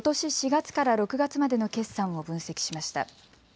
４月から６月までの決算を分析しました。